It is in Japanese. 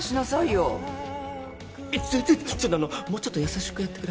ちょっとあのもうちょっと優しくやってください。